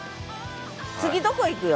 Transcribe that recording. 次どこ行くよ？